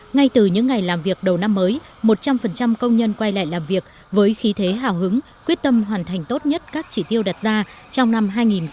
ngay từ những ngày làm việc đầu năm mới một trăm linh công nhân quay lại làm việc với khí thế hào hứng quyết tâm hoàn thành tốt nhất các chỉ tiêu đặt ra trong năm hai nghìn hai mươi